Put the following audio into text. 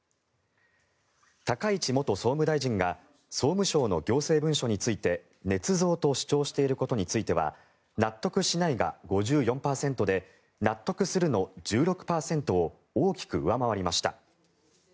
高市元総務大臣が総務省の行政文書についてねつ造と主張していることについては納得しないが５４％で納得するの１６％を大きく上回りました。